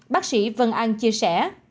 bác sĩ vân anh chia sẻ